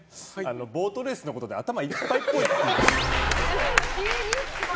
ボートレースのことで頭がいっぱいっぽい。